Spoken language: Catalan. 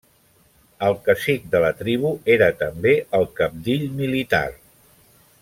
El cacic de la tribu era també el cabdill militar.